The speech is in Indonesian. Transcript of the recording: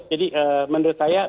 jadi menurut saya